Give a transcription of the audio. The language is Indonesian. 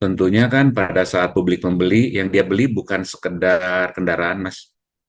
tentunya kan pada saat publik membeli yang dia beli bukan sekedar kendaraan mas